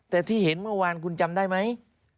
แต่ที่เห็นเมื่อวานคุณจำได้ไหม